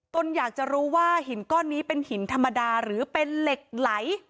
ตนอยากจะรู้ว่าหินก้อนนี้เป็นหินธรรมดาหรือเป็นเหล็กไหล